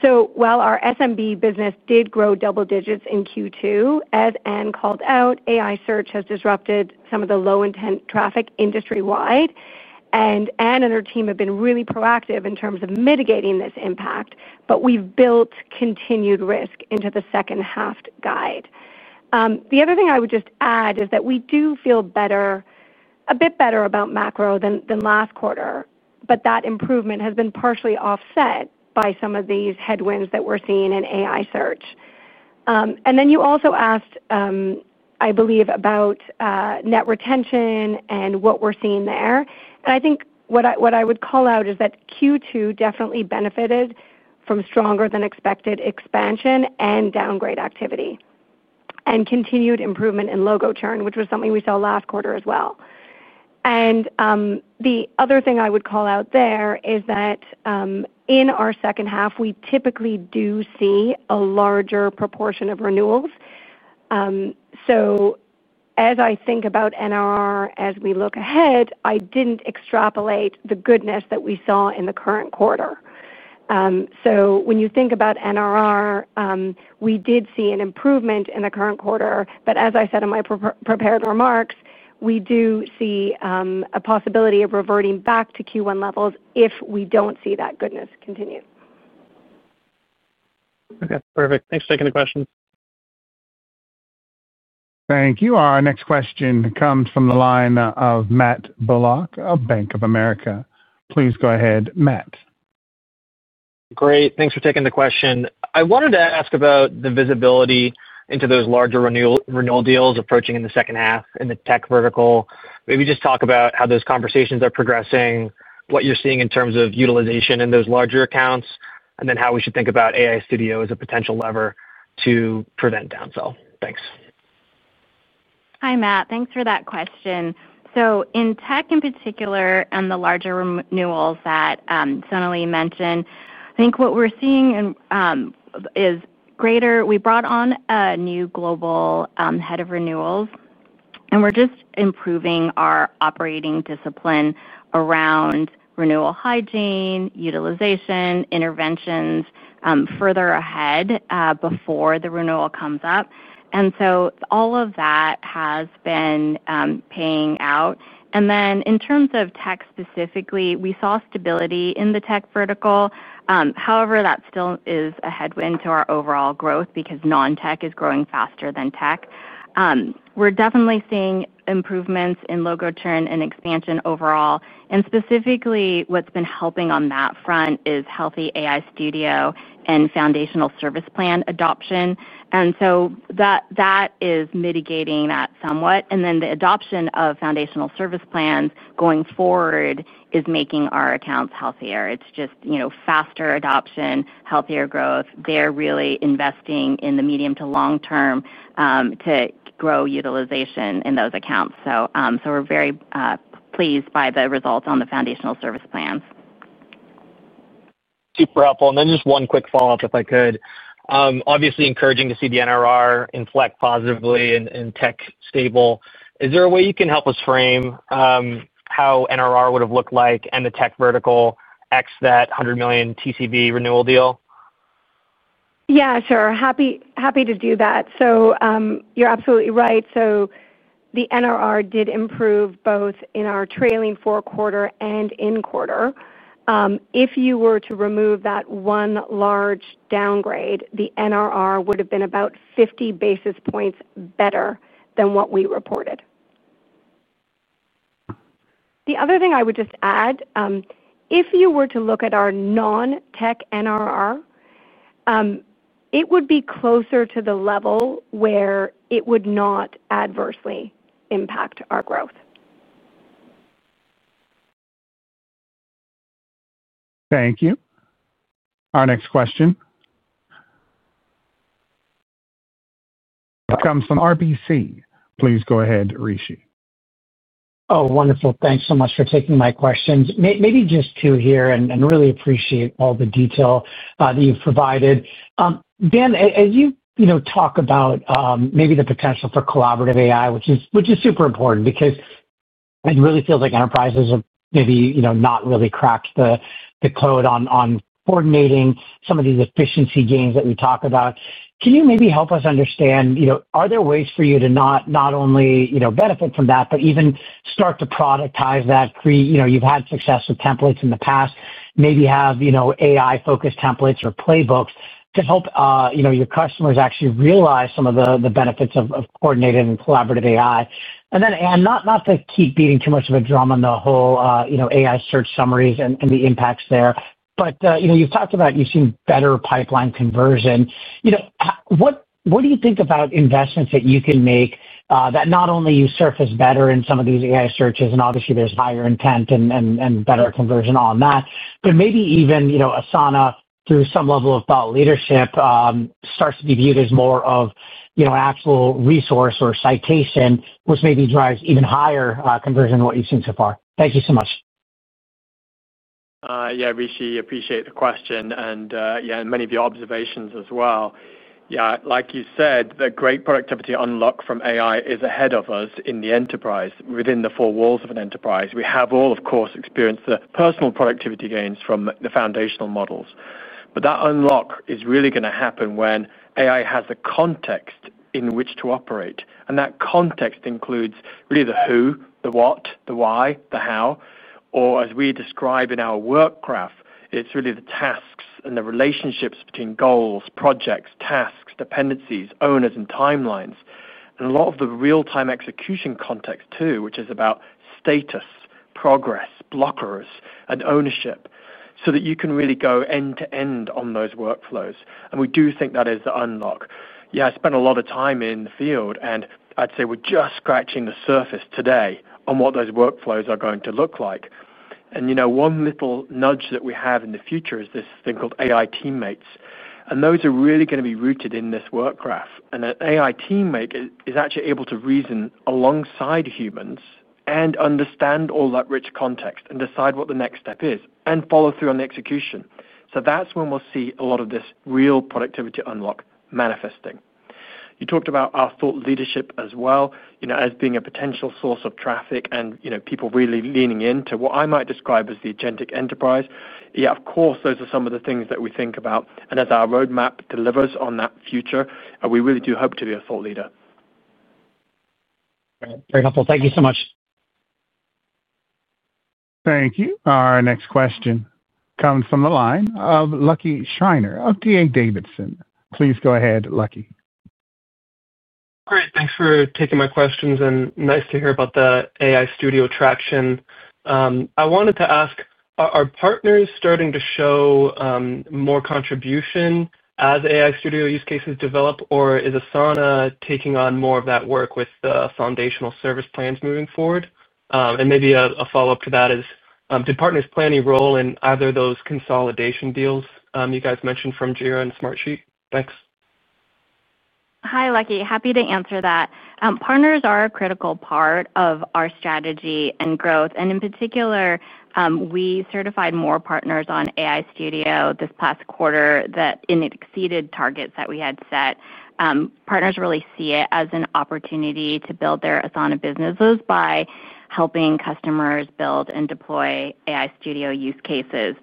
So while our SMB business did grow double digits in Q2, as Anne called out AI search has disrupted some of the low intent traffic industry wide. And Anne and her team have been really proactive in terms of mitigating this impact, but we've built continued risk into the second half guide. The other thing I would just add is that we do feel better a bit better about macro than last quarter, but that improvement has been partially offset by some of these headwinds that we're seeing in AI search. And then you also asked, I believe, about net retention and what we're seeing there. And I think what I would call out is that Q2 definitely benefited from stronger than expected expansion and downgrade activity and continued improvement in logo churn which was something we saw last quarter as well. And the other thing I would call out there is that in our second half, we typically do see a larger proportion of renewals. So as I think about NRR as we look ahead, I didn't extrapolate the goodness that we saw in the current quarter. So when you think about NRR, we did see an improvement in the current quarter. But as I said in my prepared remarks, we do see a possibility of reverting back to Q1 levels if we don't see that goodness continue. Okay, perfect. Thanks for taking the question. Thank you. Our next question comes from the line of Matt Bilak of Bank of America. Please go ahead, Matt. Great. Thanks for taking the question. I wanted to ask about the visibility into those larger renewal deals approaching in the second half in the tech vertical. Maybe just talk about how those conversations are progressing, what you're seeing in terms of utilization in those larger accounts And then how we should think about AI Studio as a potential lever to prevent down sell? Hi, Matt. Thanks for that question. So in tech in particular and the larger renewals that Sonali mentioned, I think what we're seeing is greater. We brought on a new global head of renewals and we're just improving our operating discipline around renewal hygiene, utilization, interventions, further ahead before the renewal comes up. And so all of that has been paying out. And then in terms of Tech specifically, we saw stability in the Tech vertical. However, that still is a headwind to our overall growth because non Tech is growing faster than Tech. We're definitely seeing improvements in logo churn and expansion overall. And specifically, what's been helping on that front is healthy AI Studio and foundational service plan adoption. And so that is mitigating that somewhat. And then the adoption of foundational service plans going forward is making our accounts healthier. It's just faster adoption, healthier growth. They're really investing in the medium to long term to grow utilization in those accounts. We're very pleased by the results on the foundational service plans. Super helpful. And then just one quick follow-up, if I could. Obviously, to see the NRR inflect positively and tech stable. Is there a way you can help us frame, how NRR would have looked like and the tech vertical ex that $100,000,000 TCV renewal deal? Yes, sure. Happy to do that. So, you're absolutely right. So the NRR did improve both in our trailing four quarter and in quarter. If you were to remove that one large downgrade, the NRR would have been about 50 basis points better than what we reported. The other thing I would just add, if you were to look at our non tech NRR, it would be closer to the level where it would not adversely impact our growth. Thank you. Our next question comes from RBC. Please go ahead, Rishi. Wonderful. Thanks so much for taking my questions. Maybe just two here and really appreciate all the detail that you've provided. Dan, as you talk about maybe the potential for collaborative AI, which is super important because it really feels like enterprises have maybe not really cracked the code on coordinating some of these efficiency gains that you talk about. Can you maybe help us understand, are there ways for you to not only benefit from that, but even start to productize that pre you've had success with templates in the past, maybe have AI focused templates or playbooks to help your customers actually realize some of the benefits of coordinated and collaborative AI? And then, Ann, not to keep beating too much of a drum on the whole AI search summaries and the impacts there, But you've talked about you've seen better pipeline conversion. What do you think about investments that you can make that not only you surface better in some of these AI searches and obviously there's higher intent and better conversion on that, But maybe even Asana through some level of thought leadership starts to be viewed as more of actual resource or citation, which maybe drives even higher conversion than what you've seen so far? Thank you so much. Yes, Rishi, appreciate the question and many of your observations as well. Yes, like you said, the great productivity unlock from AI is ahead of us in the enterprise within the four walls of an enterprise. We have all, of course, experienced the personal productivity gains from the foundational models. But that unlock is really going to happen when AI has a context in which to operate. And that context includes really the who, the what, the why, the how or as we describe in our work graph, it's really the tasks and the relationships between goals, projects, task, dependencies, owners and time lines. And a lot of the real time execution context too, which is about status, progress, blockers and ownership so that you can really go end to end on those workflows. And we do think that is the unlock. Yes, I spent a lot of time in the field and I'd say we're just scratching the surface today on what those workflows are going to look like. And one little nudge that we have in the future is this thing called AI teammates. And those are really going to be rooted in this work graph. And that AI teammate is actually able to reason alongside humans and understand all that rich context and decide what the next step is and follow through on the execution. So that's when we'll see a lot of this real productivity unlock manifesting. You talked about our thought leadership as well as being a potential source of traffic and people really leaning into what I might describe as the agentic enterprise. Yes, of course, are some of the things that we think about. And as our roadmap delivers on that future, we really do hope to be a thought leader. Very helpful. Thank you so much. Thank you. Our next question comes from the line of Lucky Schreiner of D. A. Davidson. Please go ahead, Lucky. Great. Thanks for taking my questions and nice to hear about the AI Studio traction. I wanted to ask, are partners starting to show more contribution as AI Studio use cases develop or is Asana taking on more of that work with foundational service plans moving forward? And maybe a follow-up to that is, did partners play any role in either of those consolidation deals, you guys mentioned from Jira and Smartsheet? Thanks. Hi, Lucky. Happy to answer that. Partners are a critical part of our strategy and growth. And in particular, we certified more partners on AI Studio this past quarter that exceeded targets that we had set. Partners really see it as an opportunity to build their Asana businesses by helping customers build and deploy AI Studio use cases.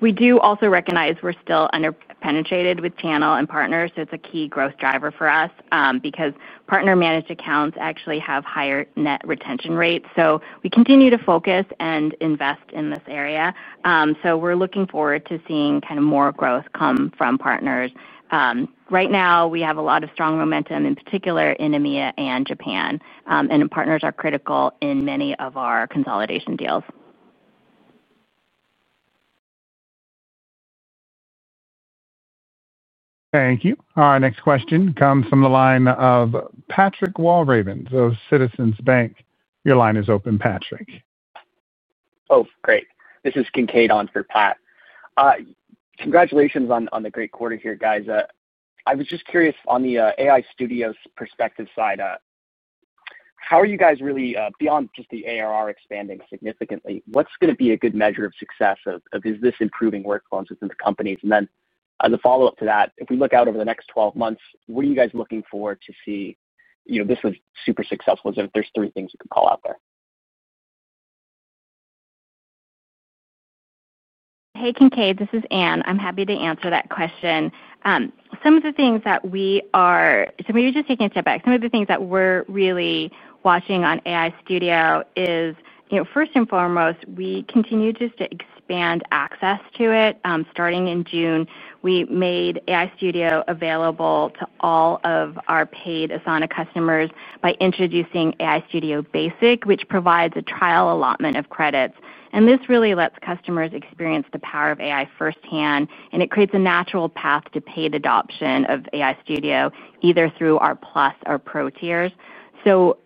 We do also recognize we're still underpenetrated with channel and partners. So it's a key growth driver for us, because partner managed accounts actually have higher net retention rates. So we continue to focus and invest in this area. So we're looking forward to seeing kind of more growth come from partners. Right now, we have a lot of strong momentum in particular in EMEA and Japan. And partners are critical in many of our consolidation deals. Thank you. Our next question comes from the line of Patrick Walravens of Citizens Bank. Your line is open, Patrick. Great. This is Kincaid on for Pat. Congratulations on the great quarter here, guys. I was just curious on the AI Studio's perspective side. How are you guys really beyond just the ARR expanding significantly, what's going to be a good measure of success of this improving workflows within the companies? And then as a follow-up to that, if we look out over the next twelve months, what are you guys looking forward to see this was super successful? Is there three things you can call out there? Hey, Kincaid. This is Anne. I'm happy to answer that question. Some of the things that we are so maybe just taking a step back. Some of the things that we're really watching on AI Studio is first and foremost, we continue just to expand access to it. Starting in June, we made AI Studio available to all of our paid Asana customers by introducing AI Studio Basic, which provides a trial allotment of credits. And this really lets customers experience the power of AI firsthand and it creates a natural path to paid adoption of AI Studio either through our Plus or Pro tiers. So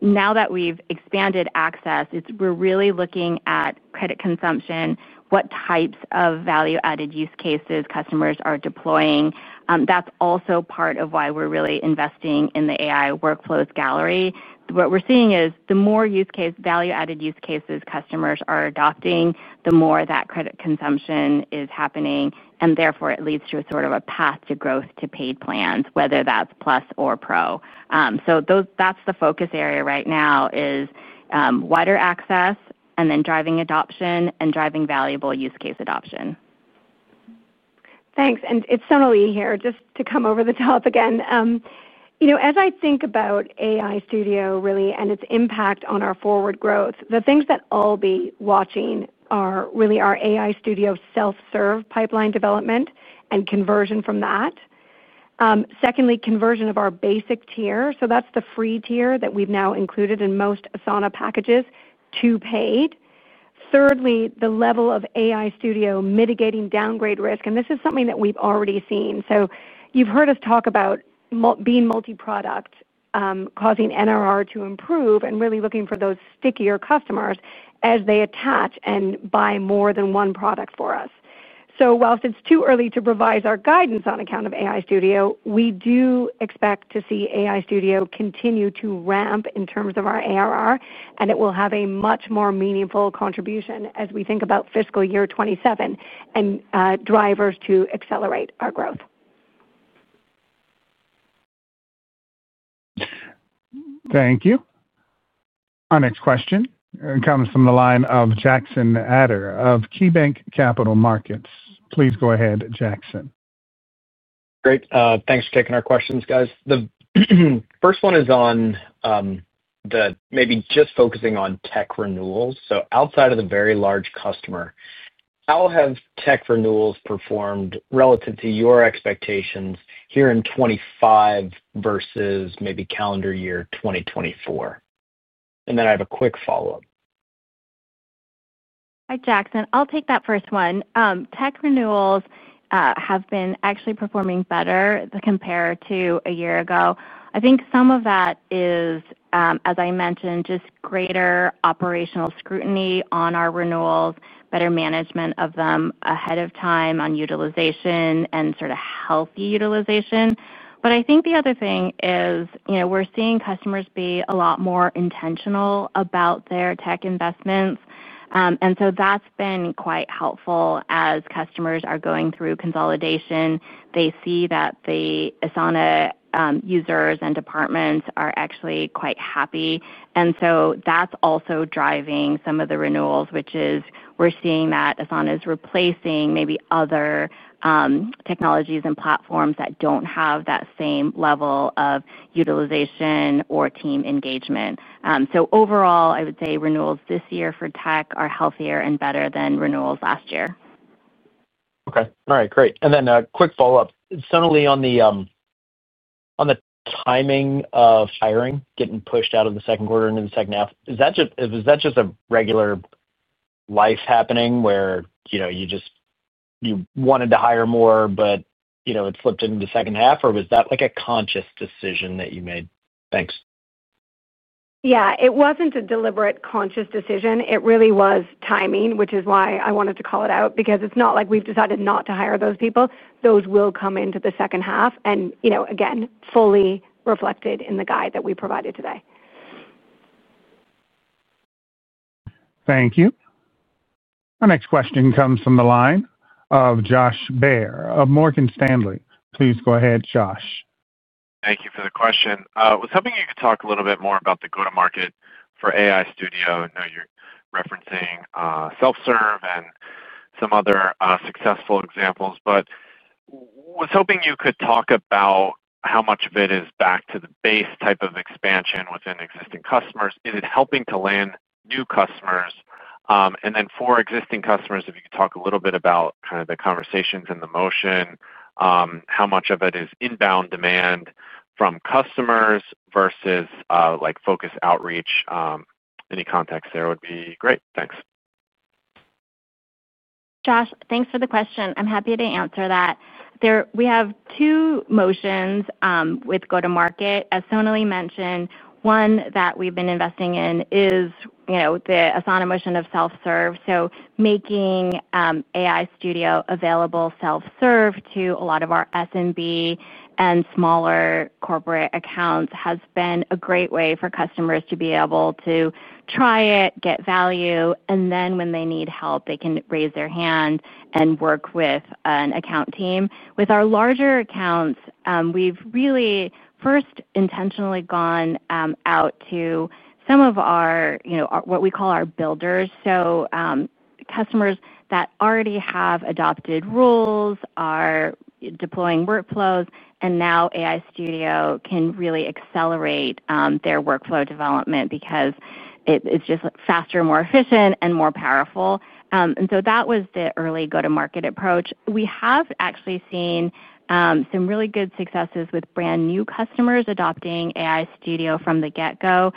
now that we've expanded access, it's we're really looking at credit consumption, what types of value added use cases customers are deploying. That's also part of why we're really investing in the AI workflows gallery. What we're seeing is the more use case value added use cases customers are adopting, the more that credit consumption is happening. And therefore, it leads to a sort of a path to growth to paid plans, whether that's Plus or Pro. So that's the focus area right now is wider access and then driving adoption and driving valuable use case adoption. Thanks. And it's Sonali here. Just to come over the top again. As I think about AI Studio really and its impact on our forward growth, the things that I'll be watching are really our AI Studio self serve pipeline development and conversion from that. Secondly, conversion of our basic tier. So that's the free tier that we've now included in most Asana packages to paid. Thirdly, the level of AI Studio mitigating downgrade risk and this is something that we've already seen. So you've heard us talk about being multi product causing NRR to improve and really looking for those stickier customers as they attach and buy more than one product for us. So whilst it's too early to provide our guidance on account of AI Studio, we do expect to see AI Studio continue to ramp in terms of our ARR and it will have a much more meaningful contribution as we think about fiscal year twenty twenty seven and drivers to accelerate our growth. Thank you. Our next question comes from the line of Jackson Ader of KeyBanc Capital Markets. Please go ahead, Jackson. Great. Thanks for taking our questions, guys. The first one is on the maybe just focusing on tech renewals. So outside of the very large customer, how have tech renewals performed relative to your expectations here in 2025 versus maybe calendar year 2024? And then I have a quick follow-up. Hi, Jackson. I'll take that first one. Tech renewals have been actually performing better compared to a year ago. I think some of that is, as I mentioned, just greater operational scrutiny on our renewals, better management of them ahead of time on utilization and sort of healthy utilization. But I think the other thing is we're seeing customers be a lot more intentional about their tech investments. And so that's been quite helpful as customers are going through consolidation. They see that the Asana users and departments are actually quite happy. And so that's also driving some of the renewals, which is we're seeing that Asana is replacing maybe other technologies and platforms that don't have that same level of utilization or team engagement. So overall, I would say renewals this year for tech are healthier and better than renewals last year. Okay. All right. Great. And then a quick follow-up. Certainly, on the timing of hiring getting pushed out of the second quarter and in the second half, is that just a regular life happening where you just you wanted to hire more, but it slipped into the second half? Or was that like a conscious decision that you made? Thanks. Yes. It wasn't a deliberate conscious decision. It really was timing, which is why I wanted to call it out, because it's not like we've decided not to hire those people. Those will come into the second half and again fully reflected in the guide that we provided today. Thank you. Our next question comes from the line of Josh Baer of Morgan Stanley. Please go ahead, Josh. Thank you for the question. I was hoping you could talk a little bit more about the go to market for AI Studio. I know you're referencing self serve and some other successful examples. But I was hoping you could talk about how much of it is back to the base type of expansion within existing customers. Is it helping to land new customers? And then for existing customers, if you could talk a little bit about kind of the conversations and the motion, how much of it is inbound demand from customers versus, like focused outreach? Any context there would be great. Thanks. Josh, thanks for the question. I'm happy to answer that. We have two motions with go to market. As Sonali mentioned, one that we've been investing in is Asana motion of self serve. So making AI Studio available self serve to a lot of our SMB and smaller corporate accounts has been a great way for customers to be able to try it, get value and then when they need help, they can raise their hand and work with an account team. With our larger accounts, we've really first intentionally gone out to some of our what we call our builders. So customers that already have adopted rules are deploying workflows and now AI Studio can really accelerate their workflow development because it's just faster, more efficient and more powerful. And so that was the early go to market approach. We have actually seen some really good successes with brand new customers adopting AI Studio from the get go.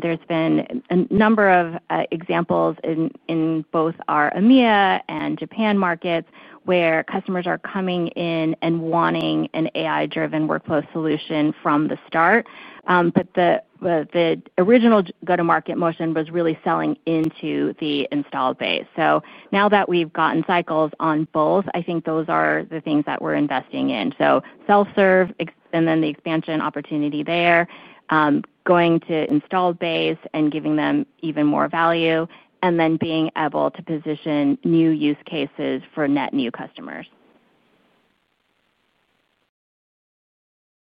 There's been a number of examples in both our EMEA and Japan markets where customers are coming in and wanting an AI driven workflow solution from the start. But the original go to market motion was really selling into the installed base. So now that we've gotten cycles on both, I think those are the things that we're investing in. So self serve and then the expansion opportunity there, going to install base and giving them even more value and then being able to position new use cases for net new customers.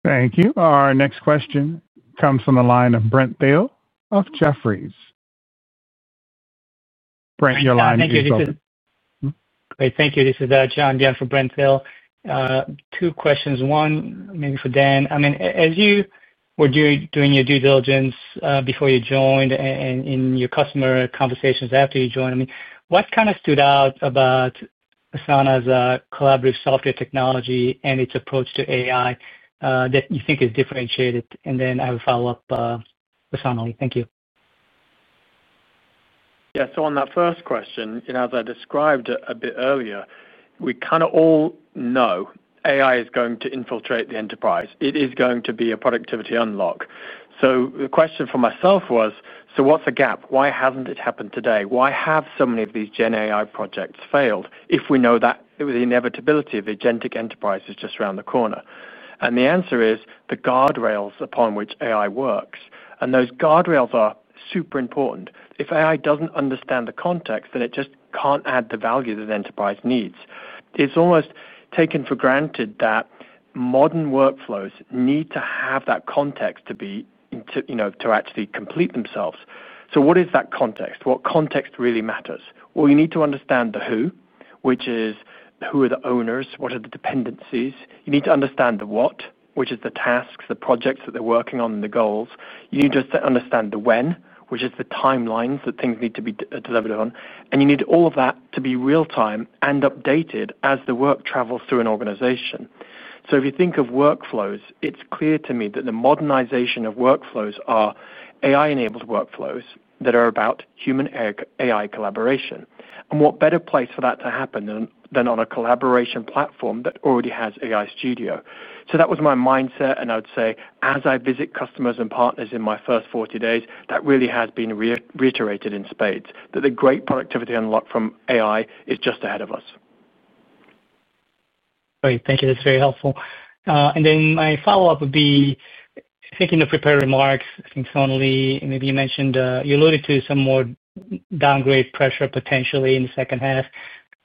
Thank you. Our next question comes from the line of Brent Thill of Jefferies. Brent, your line is open. Great. Thank you. This is John again for Brent Thill. Two questions. One, maybe for Dan. I mean, you were doing your due diligence before you joined and your customer conversations after you joined, I mean, what kind of stood out about Asana's collaborative software technology and its approach to AI that you think is differentiated? And then I have a follow-up for Asana Lee. Yes. So on that first question, as I described a bit earlier, we kind of all know AI is going to infiltrate the enterprise. It is going to be a productivity unlock. So the question for myself was, so what's the gap? Why hasn't it happened today? Why have so many of these Gen AI projects failed if we know that the inevitability of agentic enterprises just around the corner? And the answer is the guardrails upon which AI works. And those guardrails are super important. If AI doesn't understand the context, then it just can't add the value that enterprise needs. It's almost taken for granted that modern workflows need to have that context to be to actually complete themselves. So what is that context? What context really matters? Well, you need to understand the who, which is who are the owners, what are the dependencies. You need to understand the what, which is the tasks, the projects that they're working on, the goals. You need to understand the when, which is the timelines that things need to be delivered on. And you need all of that to be real time and updated as the work travels through an organization. So if you think of workflows, it's clear to me that the modernization of workflows are AI enabled workflows that are about human AI collaboration. And what better place for that to happen than on a collaboration platform that already has AI Studio. So that was my mindset. And I would say, as I visit customers and partners in my first forty days, that really has been reiterated in spades that the great productivity unlock from AI is just ahead of us. Great. Thank you. That's very helpful. And then my follow-up would be, I think in the prepared remarks, I think, Sonali, maybe you mentioned you alluded to some more downgrade pressure potentially in the second half.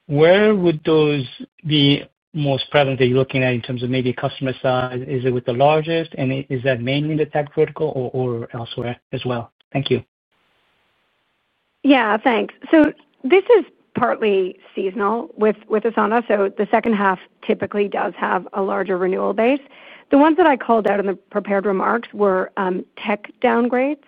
Where would those be most prevalent that you're looking at in terms of maybe customer size? Is it with the largest? And is that mainly in the tech critical or elsewhere as well? Yes. So this is partly seasonal with Asana. So the second half typically does have a larger renewal base. The ones that I called out in the prepared remarks were tech downgrades.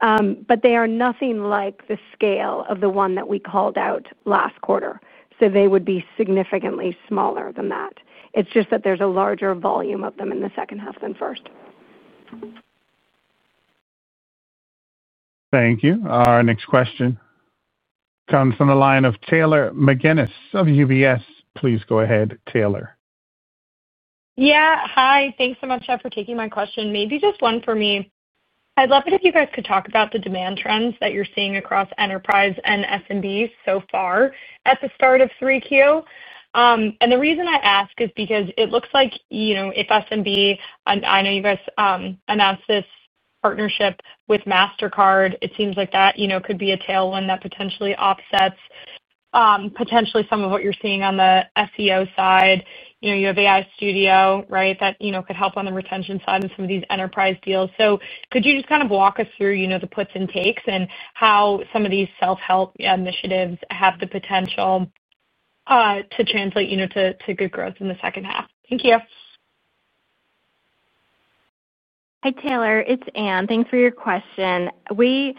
But they are nothing like the scale of the one that we called out last quarter. So they would be significantly smaller than that. It's just that there's a larger volume of them in the second half than first. Thank you. Our next question comes from the line of Taylor McGinniss of UBS. Please go ahead, Taylor. Yes. Hi. Thanks so much for taking my question. Maybe just one for me. I'd love it if you guys could talk about the demand trends that you're seeing across enterprise and SMB so far at the start of 3Q. And the reason I ask is because it looks like if SMB and I know you guys announced this partnership with Mastercard, it seems like that could be a tailwind that potentially offsets potentially some of what you're seeing on the SEO side. You have AI Studio, right, that could help on the retention side of some of these enterprise deals. So could you just kind of walk us through the puts and takes and how some of these self help initiatives have the potential to translate to good growth in the second half? Thank you. Hi, Taylor. It's Anne. Thanks for your question. We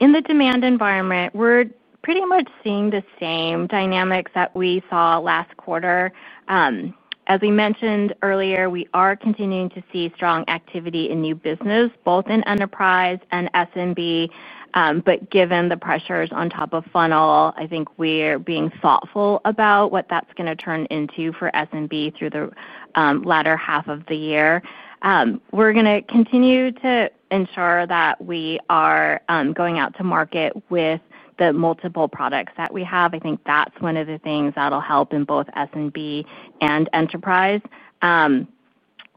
in the demand environment, we're pretty much seeing the same dynamics that we saw last quarter. As we mentioned earlier, we are continuing to see strong activity in new business both in enterprise and SMB. But given the pressures on top of funnel, I think we're being thoughtful about what that's going to turn into for SMB through the latter half of the year. We're going to continue to ensure that we are going out to market with the multiple products that we have. I think that's one of the things that will help in both SMB and enterprise.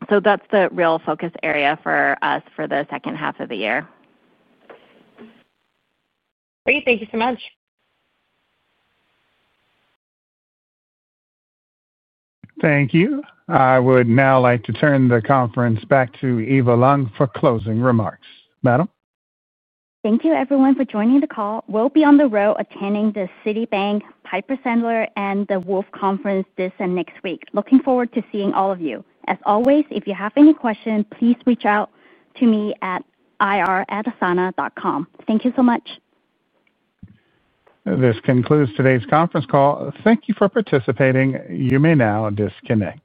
So that's the real focus area for us for the second half of the year. Great. Thank you so much. Thank you. I would now like to turn the conference back to Eva Long for closing remarks. Madam? Thank you, everyone, for joining the call. We'll be on the road attending the Citibank Piper Sandler and the Wolfe Conference this and next week. Looking forward to seeing all of you. As always, if you have any questions, please reach out to me at irasana dot com. Thank you so much. This concludes today's conference call. Thank you for participating. You may now disconnect.